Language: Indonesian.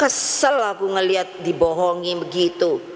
kesel aku ngeliat dibohongin begitu